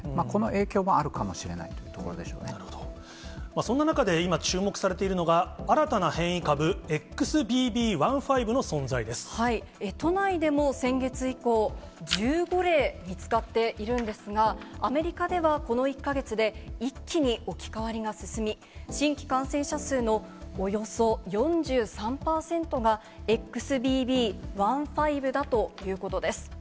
そんな中で、今、注目されているのが、新たな変異株、ＸＢＢ．１都内でも先月以降、１５例見つかっているんですが、アメリカではこの１か月で、一気に置き換わりが進み、新規感染者数のおよそ４３％が、ＸＢＢ．１．５だということです。